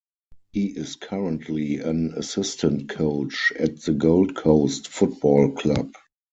He is currently an assistant coach at the Gold Coast Football Club.